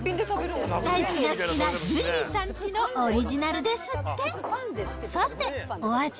ライスが好きなジュリーさんちのオリジナルなんですって。